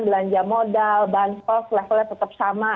belanja modal bahan stok levelnya tetap sama